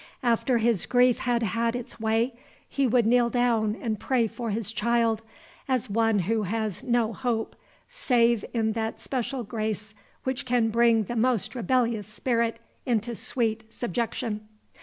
After his grief had had its way, he would kneel down and pray for his child as one who has no hope save in that special grace which can bring the most rebellious spirit into sweet subjection.